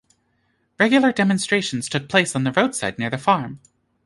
Regular demonstrations took place on the roadside near the farm.